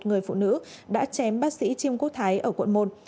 và một người phụ nữ đã chém bác sĩ chiêm quốc thái ở quận một